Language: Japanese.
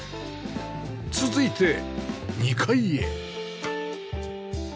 続いて２階へ